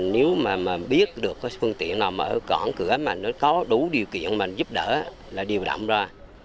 nếu mà biết được phương tiện nào mở cỏng cửa mà có đủ điều kiện giúp đỡ là điều đậm ra